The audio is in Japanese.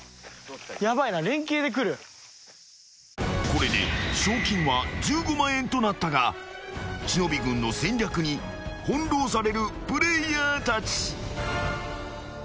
［これで賞金は１５万円となったが忍軍の戦略に翻弄されるプレイヤーたち］